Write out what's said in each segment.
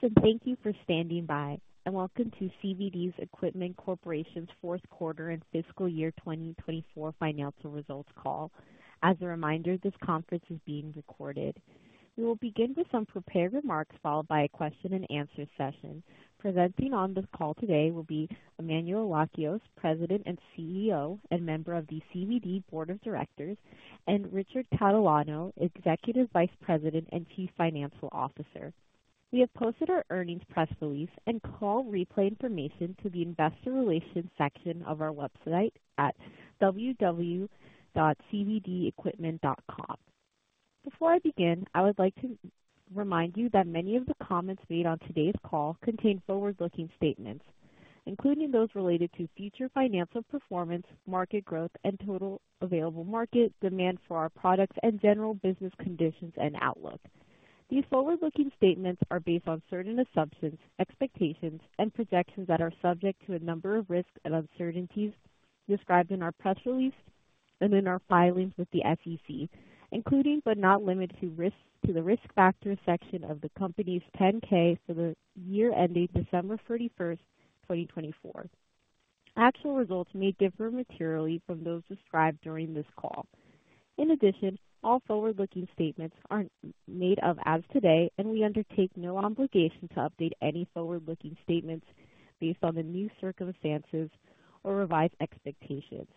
Greetings and thank you for standing by. Welcome to CVD Equipment Corporation's Fourth Quarter and Fiscal Year 2024 Financial Results Call. As a reminder, this conference is being recorded. We will begin with some prepared remarks followed by a question-and-answer session. Presenting on this call today will be Emmanuel Lakios, President and CEO and member of the CVD Board of Directors, and Richard Catalano, Executive Vice President and Chief Financial Officer. We have posted our earnings press release and call replay information to the investor relations section of our website at www.cvdequipment.com. Before I begin, I would like to remind you that many of the comments made on today's call contain forward-looking statements, including those related to future financial performance, market growth, and total available market demand for our products and general business conditions and outlook. These forward-looking statements are based on certain assumptions, expectations, and projections that are subject to a number of risks and uncertainties described in our press release and in our filings with the SEC, including but not limited to the risk factors section of the company's 10-K for the year ending December 31, 2024. Actual results may differ materially from those described during this call. In addition, all forward-looking statements are made as of today, and we undertake no obligation to update any forward-looking statements based on the new circumstances or revise expectations.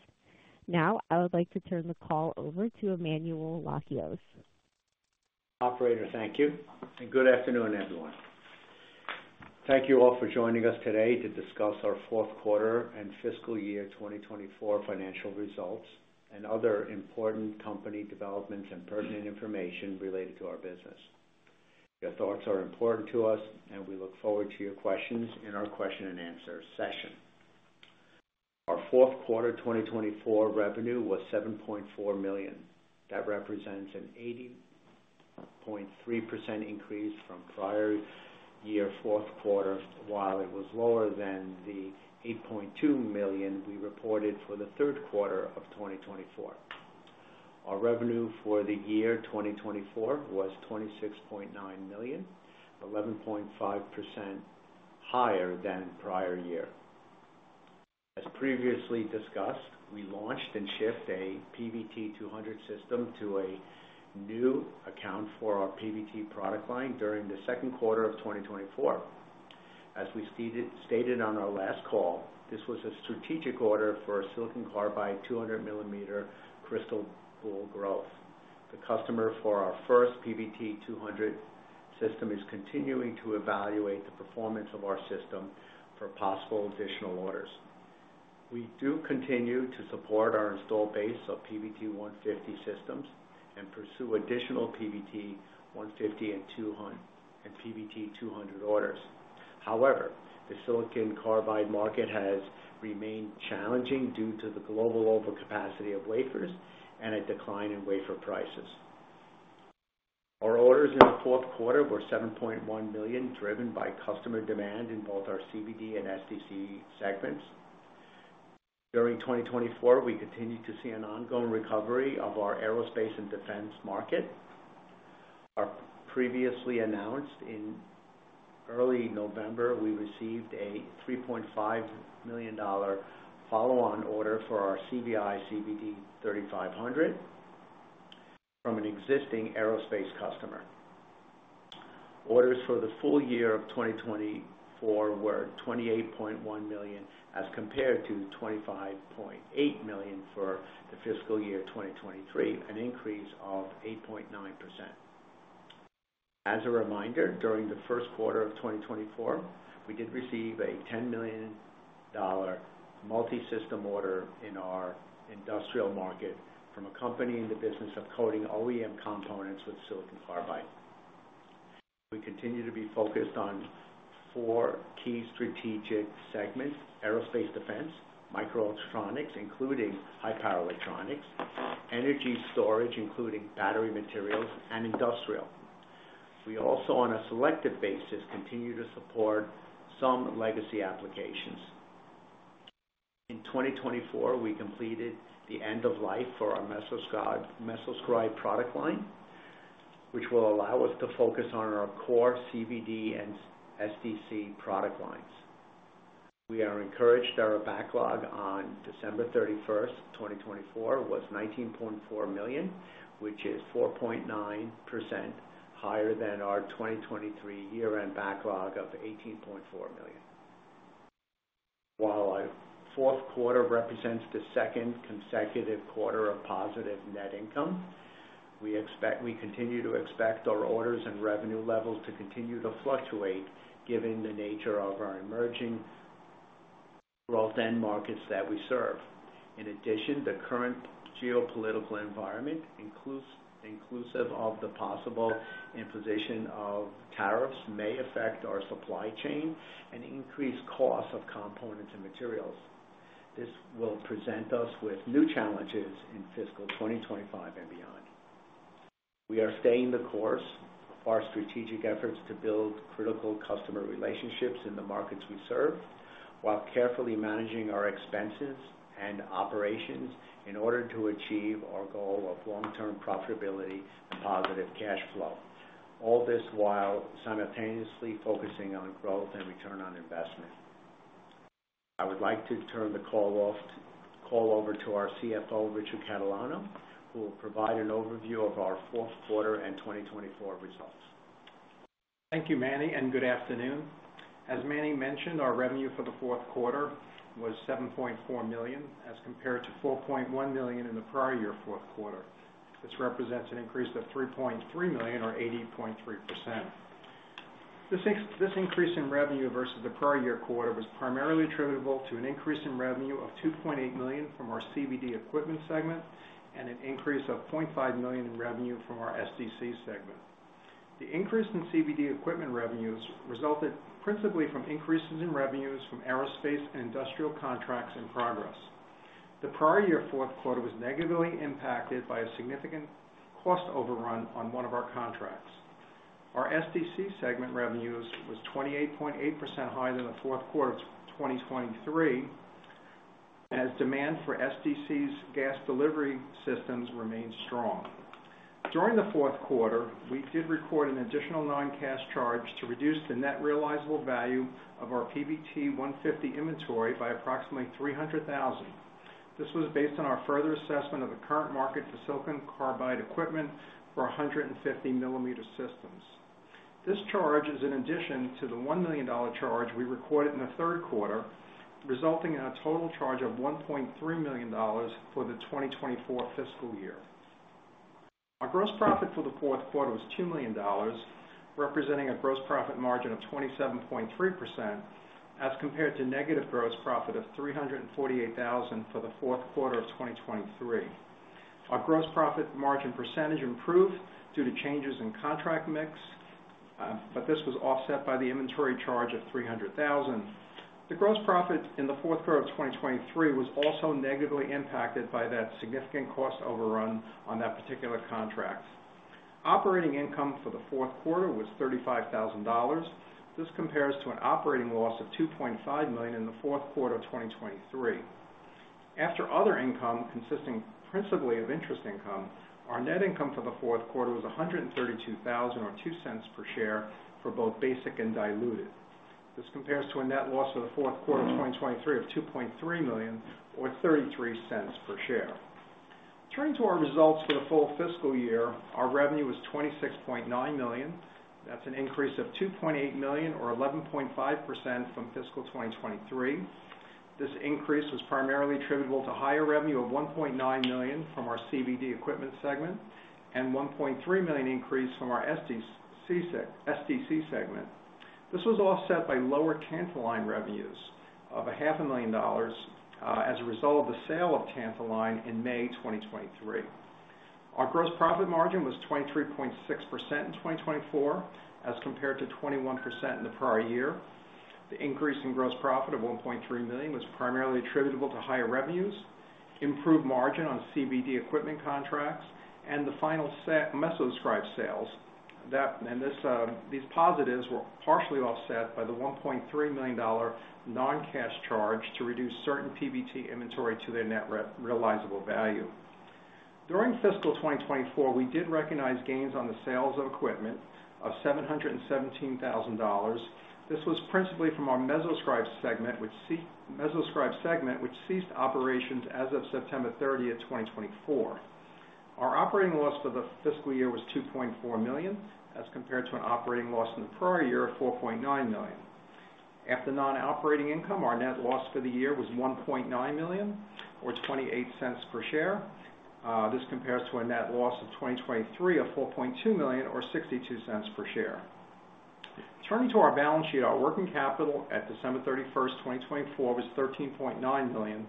Now, I would like to turn the call over to Emmanuel Lakios. Operator, thank you. Good afternoon, everyone. Thank you all for joining us today to discuss our fourth quarter and fiscal year 2024 financial results and other important company developments and pertinent information related to our business. Your thoughts are important to us, and we look forward to your questions in our question-and-answer session. Our fourth quarter 2024 revenue was $7.4 million. That represents an 80.3% increase from prior year fourth quarter, while it was lower than the $8.2 million we reported for the third quarter of 2024. Our revenue for the year 2024 was $26.9 million, 11.5% higher than prior year. As previously discussed, we launched and shipped a PVT200 system to a new account for our PVT product line during the second quarter of 2024. As we stated on our last call, this was a strategic order for silicon carbide 200-millimeter crystal boule growth. The customer for our first PVT200 system is continuing to evaluate the performance of our system for possible additional orders. We do continue to support our installed base of PVT150 systems and pursue additional PVT150 and PVT200 orders. However, the silicon carbide market has remained challenging due to the global overcapacity of wafers and a decline in wafer prices. Our orders in the fourth quarter were $7.1 million, driven by customer demand in both our CVD and SDC segments. During 2024, we continue to see an ongoing recovery of our aerospace and defense market. As previously announced in early November, we received a $3.5 million follow-on order for our CVI/CVD3500 from an existing aerospace customer. Orders for the full year of 2024 were $28.1 million as compared to $25.8 million for the fiscal year 2023, an increase of 8.9%. As a reminder, during the first quarter of 2024, we did receive a $10 million multi-system order in our industrial market from a company in the business of coating OEM components with silicon carbide. We continue to be focused on four key strategic segments: aerospace defense, microelectronics, including high-power electronics, energy storage, including battery materials, and industrial. We also, on a selective basis, continue to support some legacy applications. In 2024, we completed the end-of-life for our MesoScribe product line, which will allow us to focus on our core CVD and SDC product lines. We are encouraged that our backlog on December 31, 2024, was $19.4 million, which is 4.9% higher than our 2023 year-end backlog of $18.4 million. While our fourth quarter represents the second consecutive quarter of positive net income, we continue to expect our orders and revenue levels to continue to fluctuate given the nature of our emerging growth and markets that we serve. In addition, the current geopolitical environment, inclusive of the possible imposition of tariffs, may affect our supply chain and increase the cost of components and materials. This will present us with new challenges in fiscal 2025 and beyond. We are staying the course of our strategic efforts to build critical customer relationships in the markets we serve, while carefully managing our expenses and operations in order to achieve our goal of long-term profitability and positive cash flow, all this while simultaneously focusing on growth and return on investment. I would like to turn the call over to our CFO, Richard Catalano, who will provide an overview of our fourth quarter and 2024 results. Thank you, Manny, and good afternoon. As Manny mentioned, our revenue for the fourth quarter was $7.4 million as compared to $4.1 million in the prior year fourth quarter. This represents an increase of $3.3 million or 80.3%. This increase in revenue versus the prior year quarter was primarily attributable to an increase in revenue of $2.8 million from our CVD Equipment segment and an increase of $0.5 million in revenue from our SDC segment. The increase in CVD Equipment revenues resulted principally from increases in revenues from aerospace and industrial contracts in progress. The prior year fourth quarter was negatively impacted by a significant cost overrun on one of our contracts. Our SDC segment revenues were 28.8% higher than the fourth quarter of 2023, as demand for SDC's gas delivery systems remained strong. During the fourth quarter, we did record an additional non-cash charge to reduce the net realizable value of our PVT150 inventory by approximately $300,000. This was based on our further assessment of the current market for silicon carbide equipment for 150-millimeter systems. This charge is in addition to the $1 million charge we recorded in the third quarter, resulting in a total charge of $1.3 million for the 2024 fiscal year. Our gross profit for the fourth quarter was $2 million, representing a gross profit margin of 27.3% as compared to negative gross profit of $348,000 for the fourth quarter of 2023. Our gross profit margin percentage improved due to changes in contract mix, but this was offset by the inventory charge of $300,000. The gross profit in the fourth quarter of 2023 was also negatively impacted by that significant cost overrun on that particular contract. Operating income for the fourth quarter was $35,000. This compares to an operating loss of $2.5 million in the fourth quarter of 2023. After other income consisting principally of interest income, our net income for the fourth quarter was $132,000 or $0.02 per share for both basic and diluted. This compares to a net loss for the fourth quarter of 2023 of $2.3 million or $0.33 per share. Turning to our results for the full fiscal year, our revenue was $26.9 million. That's an increase of $2.8 million or 11.5% from fiscal 2023. This increase was primarily attributable to higher revenue of $1.9 million from our CVD Equipment segment and a $1.3 million increase from our SDC segment. This was offset by lower Tantaline revenues of $500,000 as a result of the sale of Tantaline in May 2023. Our gross profit margin was 23.6% in 2024 as compared to 21% in the prior year. The increase in gross profit of $1.3 million was primarily attributable to higher revenues, improved margin on CVD Equipment contracts, and the final MesoScribe sales. These positives were partially offset by the $1.3 million non-cash charge to reduce certain PVT inventory to their net realizable value. During fiscal 2024, we did recognize gains on the sales of equipment of $717,000. This was principally from our MesoScribe segment, which ceased operations as of September 30, 2024. Our operating loss for the fiscal year was $2.4 million as compared to an operating loss in the prior year of $4.9 million. After non-operating income, our net loss for the year was $1.9 million or $0.28 per share. This compares to a net loss in 2023 of $4.2 million or $0.62 per share. Turning to our balance sheet, our working capital at December 31, 2024, was $13.9 million.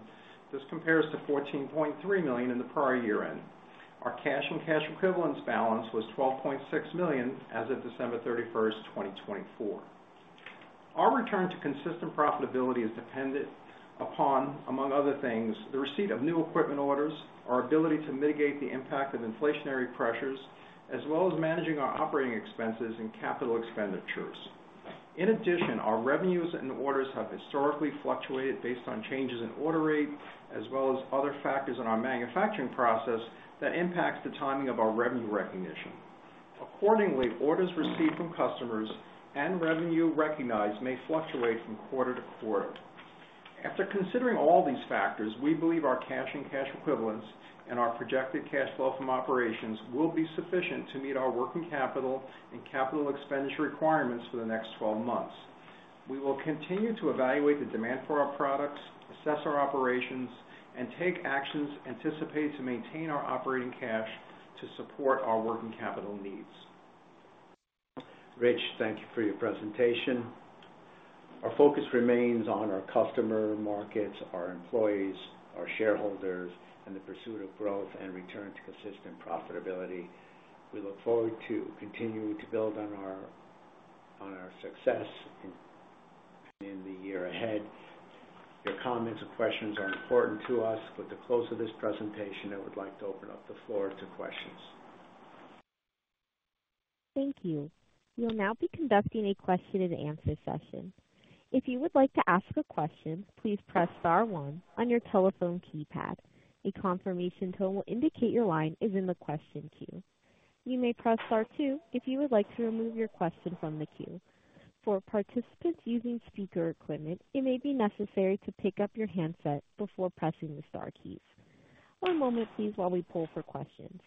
This compares to $14.3 million in the prior year-end. Our cash and cash equivalents balance was $12.6 million as of December 31, 2024. Our return to consistent profitability is dependent upon, among other things, the receipt of new equipment orders, our ability to mitigate the impact of inflationary pressures, as well as managing our operating expenses and capital expenditures. In addition, our revenues and orders have historically fluctuated based on changes in order rate, as well as other factors in our manufacturing process that impact the timing of our revenue recognition. Accordingly, orders received from customers and revenue recognized may fluctuate from quarter-to-quarter. After considering all these factors, we believe our cash and cash equivalents and our projected cash flow from operations will be sufficient to meet our working capital and capital expenditure requirements for the next 12 months. We will continue to evaluate the demand for our products, assess our operations, and take actions anticipated to maintain our operating cash to support our working capital needs. Rich, thank you for your presentation. Our focus remains on our customer markets, our employees, our shareholders, and the pursuit of growth and return to consistent profitability. We look forward to continuing to build on our success in the year ahead. Your comments and questions are important to us. With the close of this presentation, I would like to open up the floor to questions. Thank you. You will now be conducting a question-and-answer session. If you would like to ask a question, please press star one on your telephone keypad. A confirmation tone will indicate your line is in the question queue. You may press star two if you would like to remove your question from the queue. For participants using speaker equipment, it may be necessary to pick up your handset before pressing the star keys. One moment, please, while we pull for questions.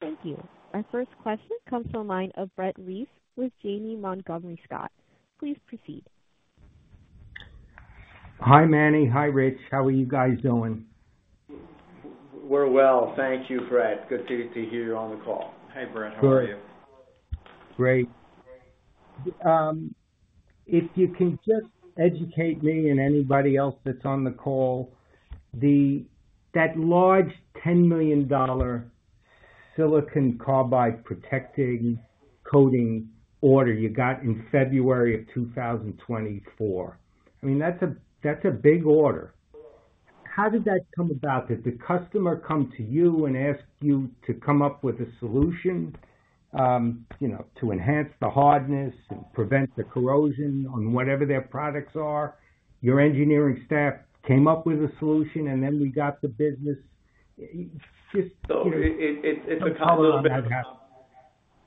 Thank you. Our first question comes from a line of Brett Reiss with Janney Montgomery Scott. Please proceed. Hi, Manny. Hi, Rich. How are you guys doing? We're well. Thank you, Brett. Good to hear you're on the call. Hey, Brett. How are you? Great. If you can just educate me and anybody else that's on the call, that large $10 million silicon carbide protecting coating order you got in February of 2024, I mean, that's a big order. How did that come about? Did the customer come to you and ask you to come up with a solution to enhance the hardness and prevent the corrosion on whatever their products are? Your engineering staff came up with a solution, and then we got the business. Just tell us about that.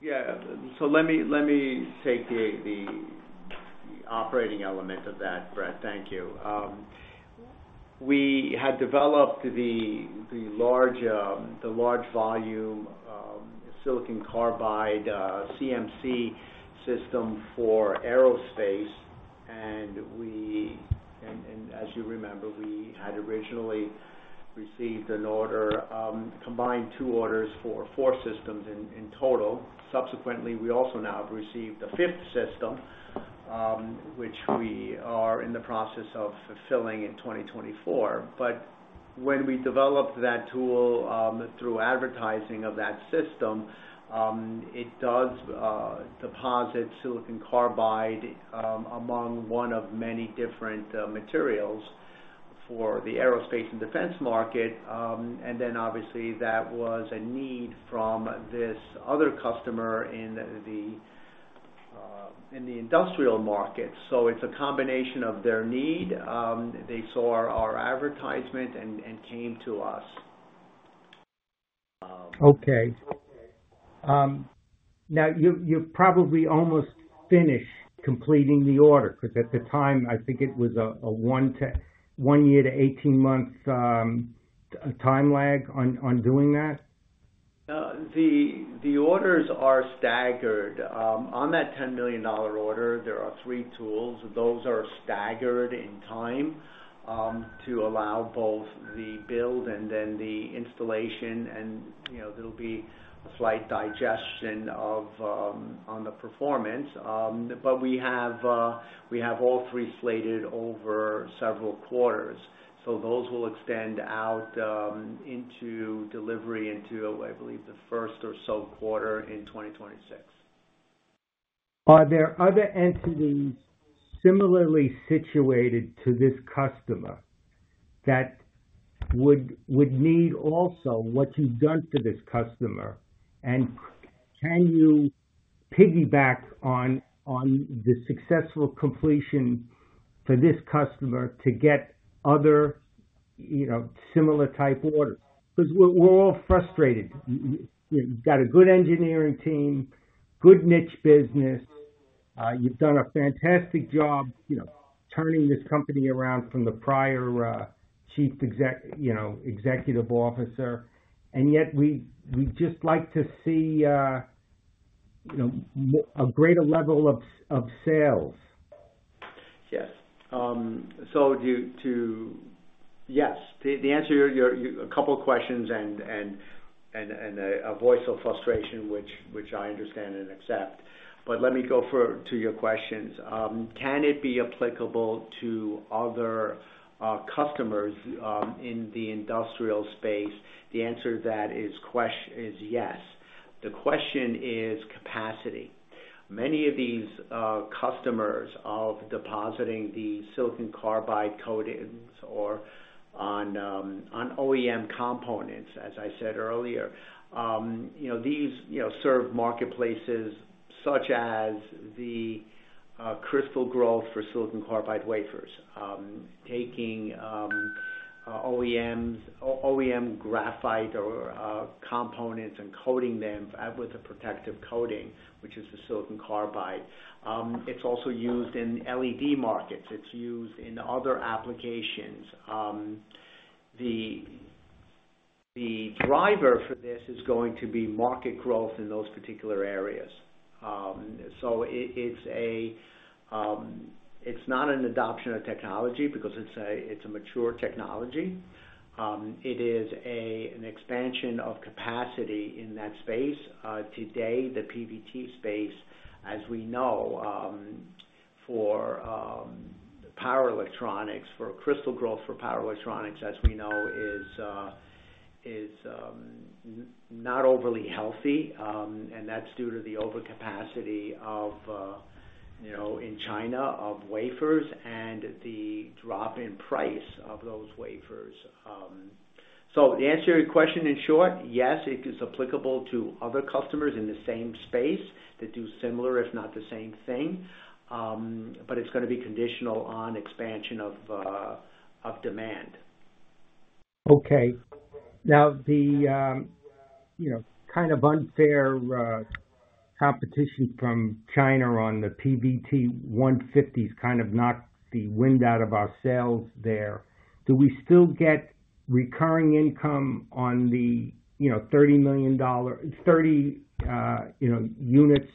Yeah. Let me take the operating element of that, Brett. Thank you. We had developed the large volume silicon carbide CMC system for aerospace. As you remember, we had originally received an order, combined two orders for four systems in total. Subsequently, we also now have received a fifth system, which we are in the process of fulfilling in 2024. When we developed that tool through advertising of that system, it does deposit silicon carbide among one of many different materials for the aerospace and defense market. Obviously, that was a need from this other customer in the industrial market. It is a combination of their need. They saw our advertisement and came to us. Okay. Now, you've probably almost finished completing the order because at the time, I think it was a one-year-18-month time lag on doing that. The orders are staggered. On that $10 million order, there are three tools. Those are staggered in time to allow both the build and then the installation. There will be a slight digestion on the performance. We have all three slated over several quarters. Those will extend out into delivery into, I believe, the first or so quarter in 2026. Are there other entities similarly situated to this customer that would need also what you've done for this customer? Can you piggyback on the successful completion for this customer to get other similar type orders? Because we're all frustrated. You've got a good engineering team, good niche business. You've done a fantastic job turning this company around from the prior Chief Executive Officer. Yet, we'd just like to see a greater level of sales. Yes. Yes. The answer to a couple of questions and a voice of frustration, which I understand and accept. Let me go to your questions. Can it be applicable to other customers in the industrial space? The answer to that is yes. The question is capacity. Many of these customers are depositing the silicon carbide coatings on OEM components, as I said earlier. These serve marketplaces such as the crystal growth for silicon carbide wafers, taking OEM graphite or components and coating them with a protective coating, which is the silicon carbide. It is also used in LED markets. It is used in other applications. The driver for this is going to be market growth in those particular areas. It is not an adoption of technology because it is a mature technology. It is an expansion of capacity in that space. Today, the PVT space, as we know, for power electronics, for crystal growth for power electronics, as we know, is not overly healthy. That is due to the overcapacity in China of wafers and the drop in price of those wafers. The answer to your question in short, yes, it is applicable to other customers in the same space that do similar, if not the same thing. It is going to be conditional on expansion of demand. Okay. Now, the kind of unfair competition from China on the PVT150s kind of knocked the wind out of our sails there. Do we still get recurring income on the $30 million units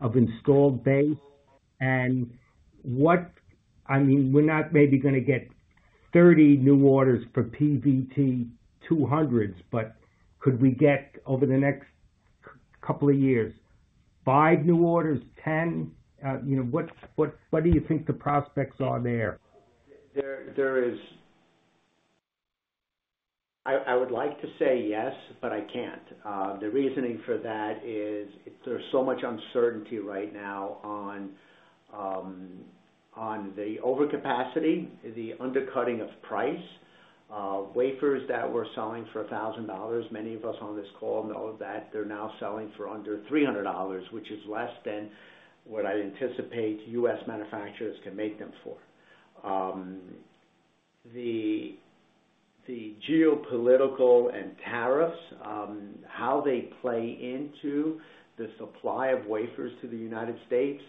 of installed base? I mean, we're not maybe going to get 30 new orders for PVT200s, but could we get over the next couple of years five new orders, 10? What do you think the prospects are there? There is. I would like to say yes, but I can't. The reasoning for that is there's so much uncertainty right now on the overcapacity, the undercutting of price. Wafers that we're selling for $1,000, many of us on this call know that they're now selling for under $300, which is less than what I anticipate U.S. manufacturers can make them for. The geopolitical and tariffs, how they play into the supply of wafers to the United States,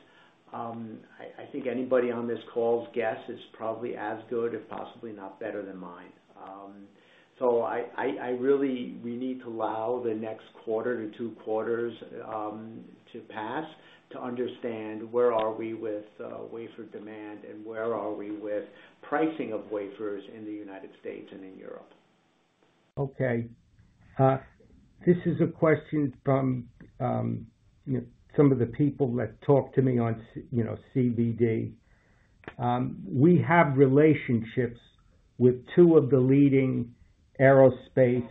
I think anybody on this call's guess is probably as good, if possibly not better than mine. I really we need to allow the next quarter to two quarters to pass to understand where are we with wafer demand and where are we with pricing of wafers in the United States and in Europe. Okay. This is a question from some of the people that talked to me on CVD. We have relationships with two of the leading aerospace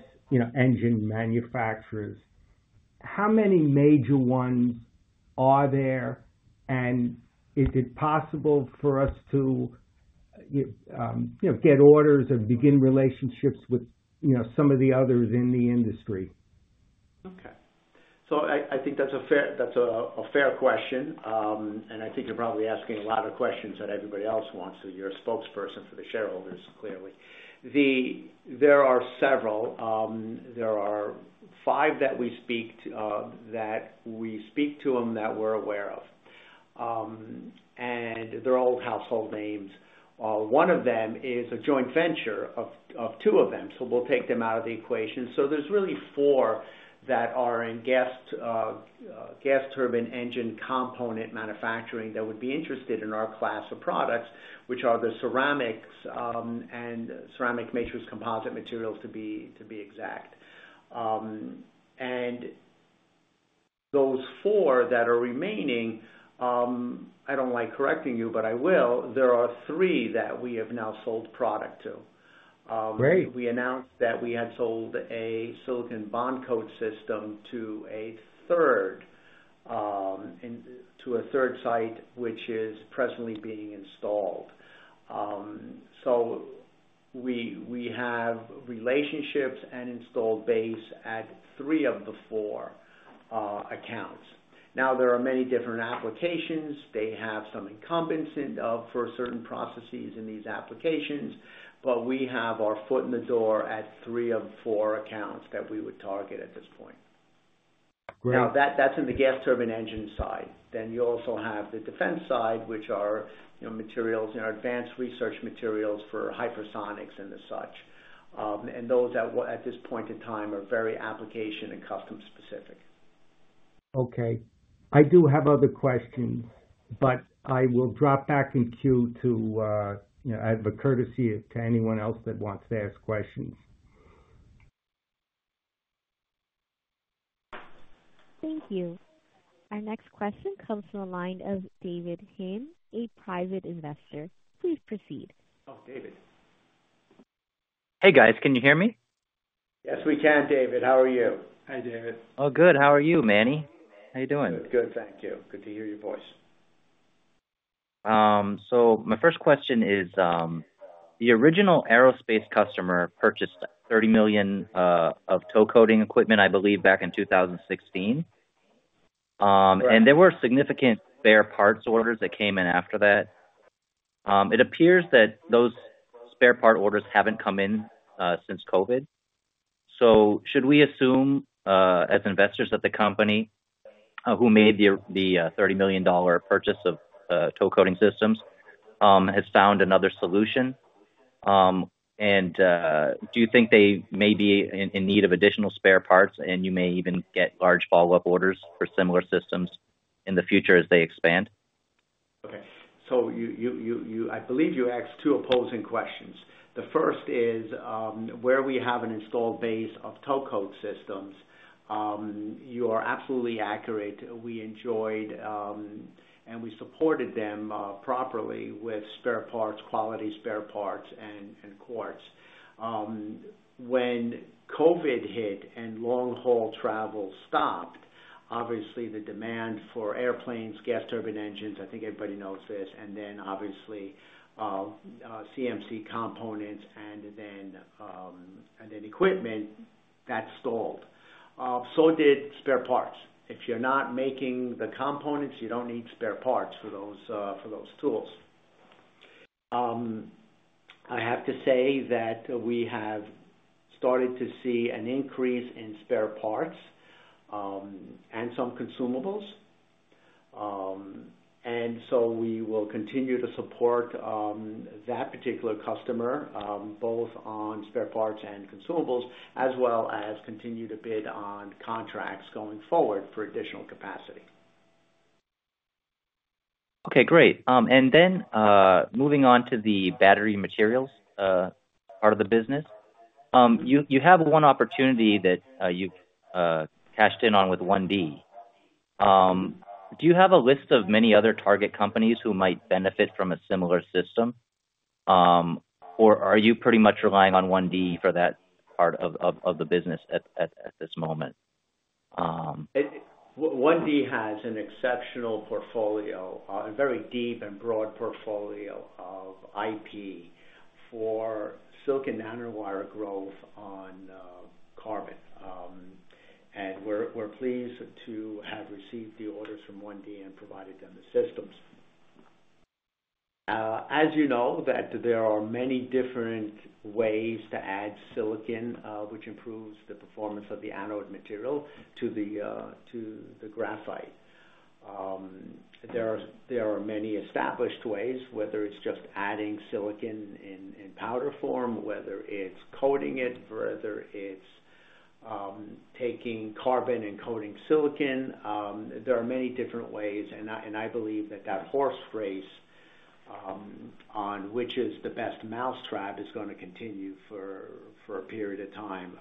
engine manufacturers. How many major ones are there? Is it possible for us to get orders and begin relationships with some of the others in the industry? Okay. I think that's a fair question. I think you're probably asking a lot of questions that everybody else wants. You're a spokesperson for the shareholders, clearly. There are several. There are five that we speak to that we're aware of. They're old household names. One of them is a joint venture of two of them. We'll take them out of the equation. There's really four that are in gas turbine engine component manufacturing that would be interested in our class of products, which are the ceramics and ceramic matrix composite materials, to be exact. Those four that are remaining, I don't like correcting you, but I will, there are three that we have now sold product to. We announced that we had sold a silicon bond coat system to a third site, which is presently being installed. We have relationships and installed base at three of the four accounts. There are many different applications. They have some incumbency for certain processes in these applications. We have our foot in the door at three of four accounts that we would target at this point. That is in the gas turbine engine side. You also have the defense side, which are materials in our advanced research materials for hypersonics and such. Those at this point in time are very application and custom specific. Okay. I do have other questions, but I will drop back in queue to have a courtesy to anyone else that wants to ask questions. Thank you. Our next question comes from the line of David Hinn, a private investor. Please proceed. Oh, David. Hey, guys. Can you hear me? Yes, we can, David. How are you? Hi, David. Oh, good. How are you, Manny? How you doing? Good. Thank you. Good to hear your voice. My first question is, the original aerospace customer purchased $30 million of tow coating equipment, I believe, back in 2016. There were significant spare parts orders that came in after that. It appears that those spare part orders have not come in since COVID. Should we assume as investors that the company who made the $30 million purchase of tow coating systems has found another solution? Do you think they may be in need of additional spare parts? You may even get large follow-up orders for similar systems in the future as they expand? Okay. I believe you asked two opposing questions. The first is where we have an installed base of tow coating systems. You are absolutely accurate. We enjoyed and we supported them properly with spare parts, quality spare parts, and quartz. When COVID hit and long-haul travel stopped, obviously, the demand for airplanes, gas turbine engines, I think everybody knows this, and then obviously CMC components and then equipment, that stalled. So did spare parts. If you're not making the components, you don't need spare parts for those tools. I have to say that we have started to see an increase in spare parts and some consumables. We will continue to support that particular customer, both on spare parts and consumables, as well as continue to bid on contracts going forward for additional capacity. Okay. Great. Moving on to the battery materials part of the business, you have one opportunity that you've cashed in on with OneD. Do you have a list of many other target companies who might benefit from a similar system? Are you pretty much relying on OneD for that part of the business at this moment? OneD has an exceptional portfolio, a very deep and broad portfolio of IP for silicon nanowire growth on carbon. We're pleased to have received the orders from OneD and provided them the systems. As you know, there are many different ways to add silicon, which improves the performance of the anode material to the graphite. There are many established ways, whether it's just adding silicon in powder form, whether it's coating it, whether it's taking carbon and coating silicon. There are many different ways. I believe that that horse race on which is the best mousetrap is going to continue for a period of time.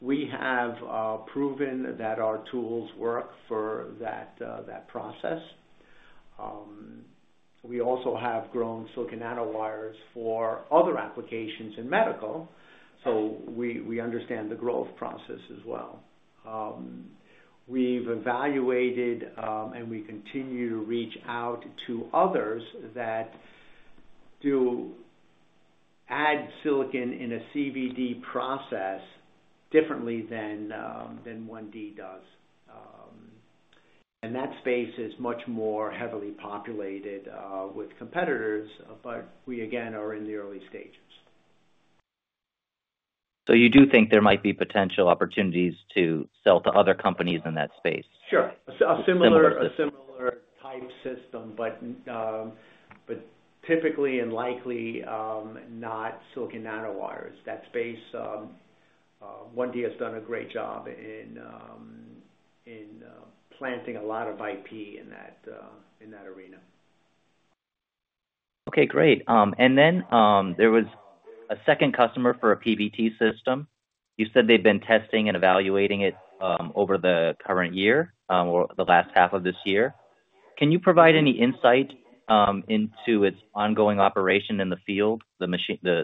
We have proven that our tools work for that process. We also have grown silicon nanowires for other applications in medical. We understand the growth process as well. We've evaluated and we continue to reach out to others that do add silicon in a CVD process differently than OneD does. That space is much more heavily populated with competitors, but we, again, are in the early stages. Do you think there might be potential opportunities to sell to other companies in that space? Sure. A similar type system, but typically and likely not silicon nanowires. That space, OneD has done a great job in planting a lot of IP in that arena. Okay. Great. There was a second customer for a PVT system. You said they've been testing and evaluating it over the current year or the last half of this year. Can you provide any insight into its ongoing operation in the field, the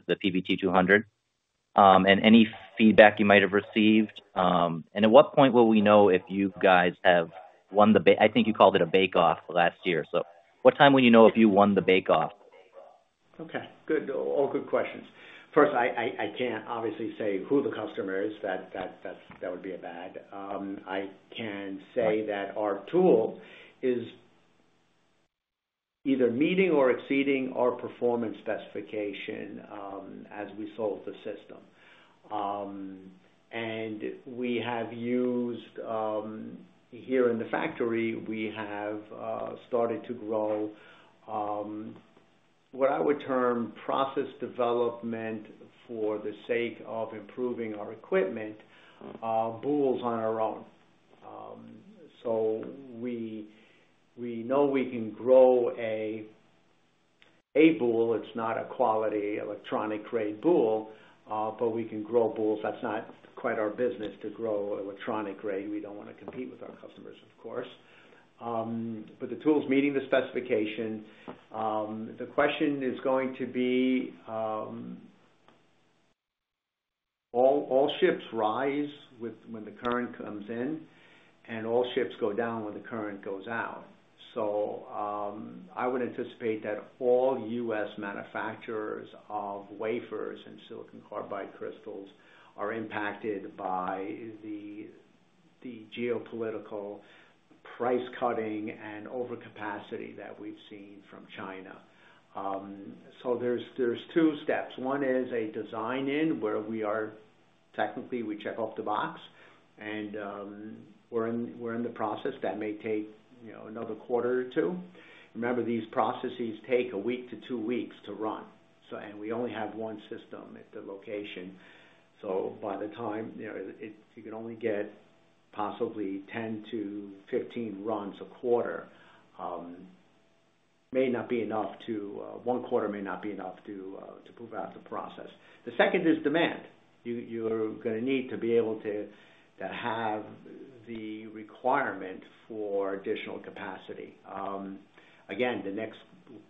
PVT200, and any feedback you might have received? At what point will we know if you guys have won the I think you called it a bake-off last year. What time will you know if you won the bake-off? Okay. Good. All good questions. First, I can't obviously say who the customer is. That would be bad. I can say that our tool is either meeting or exceeding our performance specification as we sold the system. And we have used here in the factory, we have started to grow what I would term process development for the sake of improving our equipment, boules on our own. So we know we can grow a boule. It's not a quality electronic-grade boule, but we can grow boules. That's not quite our business to grow electronic-grade. We don't want to compete with our customers, of course. But the tool's meeting the specification. The question is going to be all ships rise when the current comes in, and all ships go down when the current goes out. I would anticipate that all U.S. Manufacturers of wafers and silicon carbide crystals are impacted by the geopolitical price cutting and overcapacity that we've seen from China. There are two steps. One is a design in where we are technically, we check off the box, and we're in the process. That may take another quarter or two. Remember, these processes take a week to two weeks to run. We only have one system at the location. By the time you can only get possibly 10-15 runs a quarter. One quarter may not be enough to prove out the process. The second is demand. You're going to need to be able to have the requirement for additional capacity. Again, the next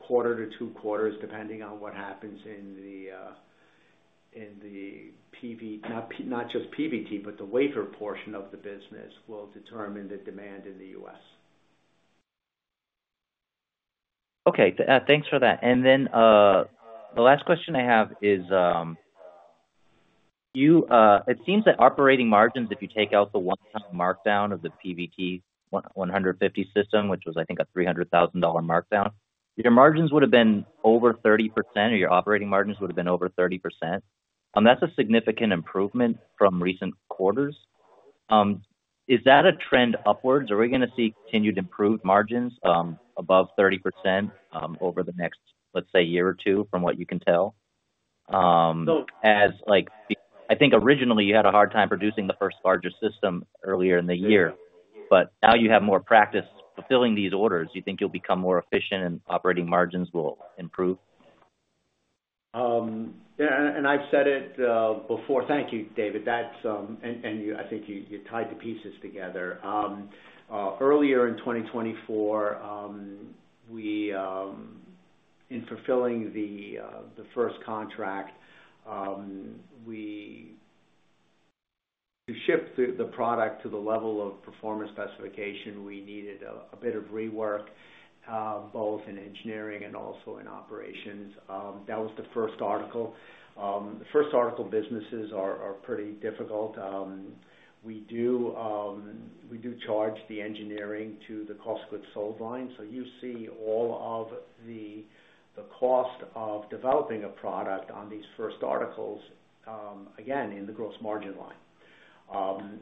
quarter to two quarters, depending on what happens in the PVT, not just PVT, but the wafer portion of the business will determine the demand in the U.S. Okay. Thanks for that. The last question I have is, it seems that operating margins, if you take out the one-time markdown of the PVT150 system, which was, I think, a $300,000 markdown, your margins would have been over 30%, or your operating margins would have been over 30%. That's a significant improvement from recent quarters. Is that a trend upwards? Are we going to see continued improved margins above 30% over the next, let's say, year or two from what you can tell? No. I think originally you had a hard time producing the first larger system earlier in the year. Now you have more practice fulfilling these orders. You think you'll become more efficient and operating margins will improve? Yeah. I have said it before. Thank you, David. I think you tied the pieces together. Earlier in 2024, in fulfilling the first contract, to shift the product to the level of performance specification, we needed a bit of rework, both in engineering and also in operations. That was the first article. The first article businesses are pretty difficult. We do charge the engineering to the cost goods sold line. You see all of the cost of developing a product on these first articles, again, in the gross margin line.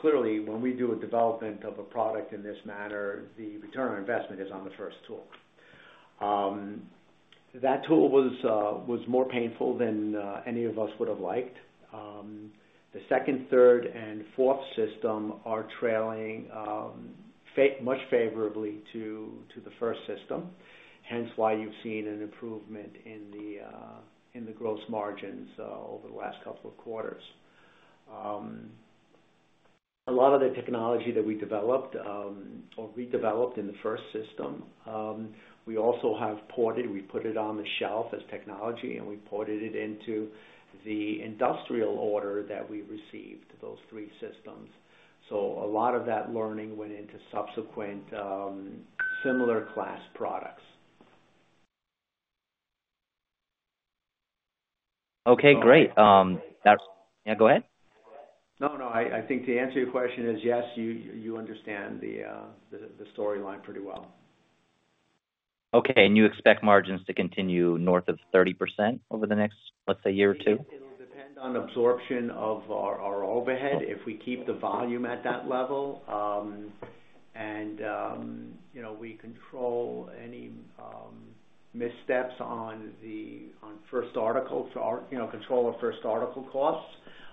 Clearly, when we do a development of a product in this manner, the return on investment is on the first tool. That tool was more painful than any of us would have liked. The second, third, and fourth system are trailing much favorably to the first system, hence why you've seen an improvement in the gross margins over the last couple of quarters. A lot of the technology that we developed or redeveloped in the first system, we also have ported. We put it on the shelf as technology, and we ported it into the industrial order that we received those three systems. A lot of that learning went into subsequent similar class products. Okay. Great. Yeah. Go ahead. No, no. I think to answer your question is yes, you understand the storyline pretty well. Okay. You expect margins to continue north of 30% over the next, let's say, year or two? It'll depend on absorption of our overhead if we keep the volume at that level. We control any missteps on first article to control our first article costs.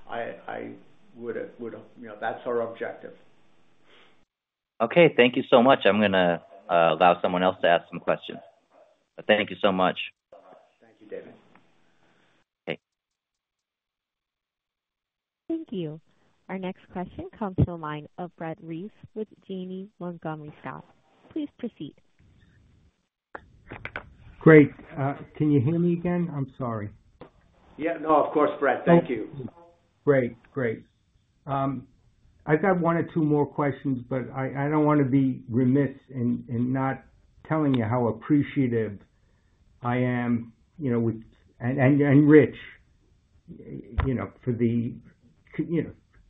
I would have that's our objective. Okay. Thank you so much. I'm going to allow someone else to ask some questions. Thank you so much. Thank you, David. Okay. Thank you. Our next question comes from the line of Brett Reiss with Janney Montgomery Scott. Please proceed. Great. Can you hear me again? I'm sorry. Yeah. No, of course, Brett. Thank you. Great. Great. I've got one or two more questions, but I don't want to be remiss in not telling you how appreciative I am with you and Rich for the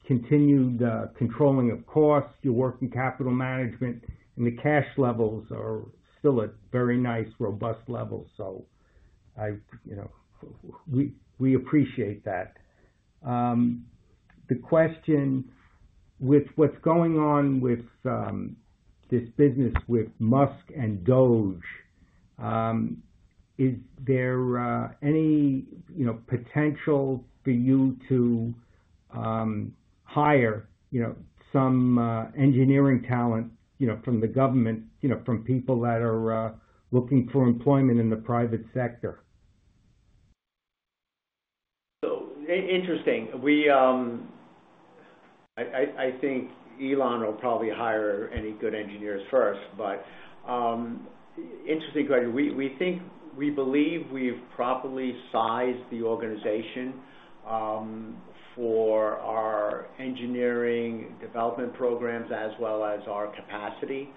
continued controlling of costs, your working capital management, and the cash levels are still at very nice, robust levels. We appreciate that. The question with what's going on with this business with Musk and DOGE, is there any potential for you to hire some engineering talent from the government, from people that are looking for employment in the private sector? Interesting. I think Elon will probably hire any good engineers first, but interesting question. We believe we've properly sized the organization for our engineering development programs as well as our capacity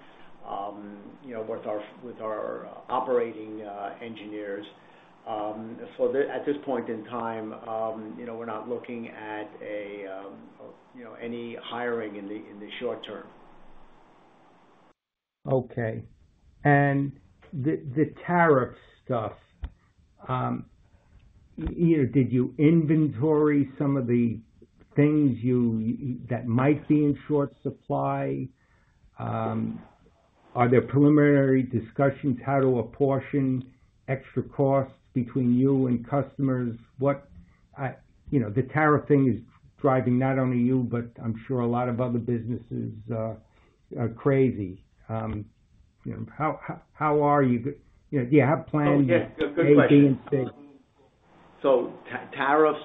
with our operating engineers. At this point in time, we're not looking at any hiring in the short term. Okay. The tariff stuff, did you inventory some of the things that might be in short supply? Are there preliminary discussions how to apportion extra costs between you and customers? The tariff thing is driving not only you, but I'm sure a lot of other businesses crazy. How are you? Do you have plans? Good question. Tariffs,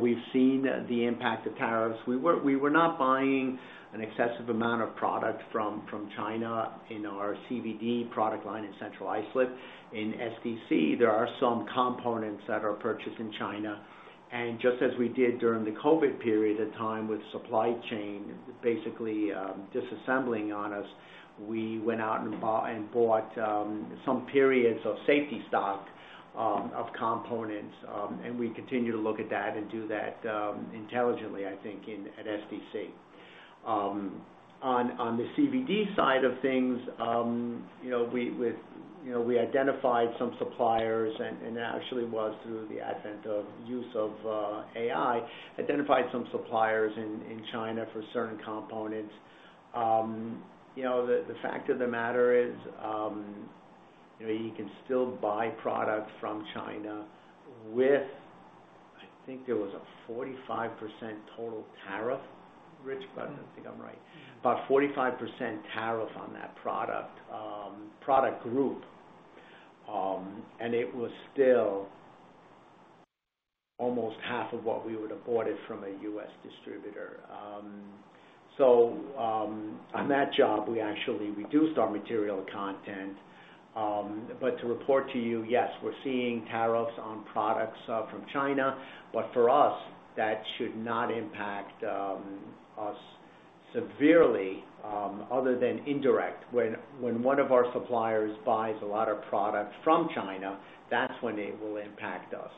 we've seen the impact of tariffs. We were not buying an excessive amount of product from China in our CVD product line in Central Islip. In SDC, there are some components that are purchased in China. Just as we did during the COVID period of time with supply chain basically disassembling on us, we went out and bought some periods of safety stock of components. We continue to look at that and do that intelligently, I think, at SDC. On the CVD side of things, we identified some suppliers, and it actually was through the advent of use of AI, identified some suppliers in China for certain components. The fact of the matter is you can still buy product from China with, I think there was a 45% total tariff, Rich, but I think I'm right, about 45% tariff on that product group. It was still almost half of what we would have bought it from a U.S. distributor. On that job, we actually reduced our material content. To report to you, yes, we're seeing tariffs on products from China. For us, that should not impact us severely other than indirect. When one of our suppliers buys a lot of product from China, that's when it will impact us.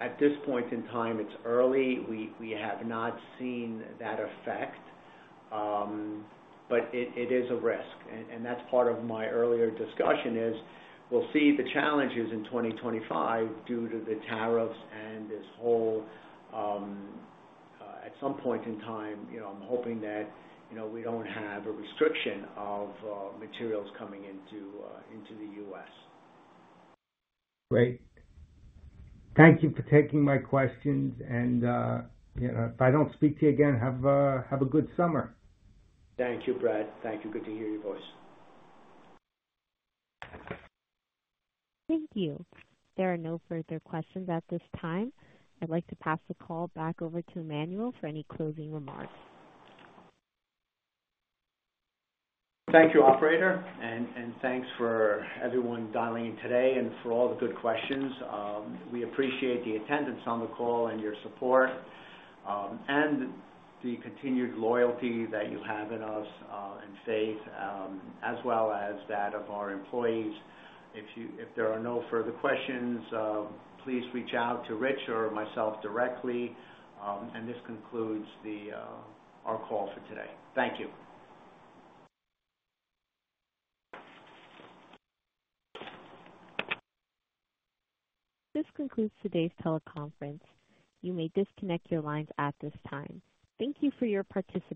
At this point in time, it's early. We have not seen that effect, but it is a risk. Part of my earlier discussion is we'll see the challenges in 2025 due to the tariffs and this whole, at some point in time, I'm hoping that we don't have a restriction of materials coming into the U.S. Great. Thank you for taking my questions. If I do not speak to you again, have a good summer. Thank you, Brett. Thank you. Good to hear your voice. Thank you. There are no further questions at this time. I'd like to pass the call back over to Emmanuel for any closing remarks. Thank you, operator. Thank you for everyone dialing in today and for all the good questions. We appreciate the attendance on the call and your support and the continued loyalty that you have in us and faith, as well as that of our employees. If there are no further questions, please reach out to Rich or myself directly. This concludes our call for today. Thank you. This concludes today's teleconference. You may disconnect your lines at this time. Thank you for your participation.